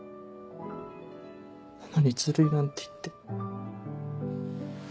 なのにずるいなんて言って。